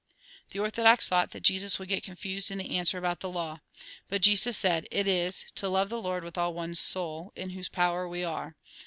" The orthodox thought that Jesus would get confused in the answer about the law. But Jesus said :" It is, to love the Lord with all one's soul, in whose power we are.